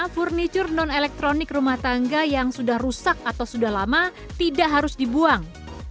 furniture non elektronik rumah tangga yang sudah rusak atau sudah lama tidak harus dibuang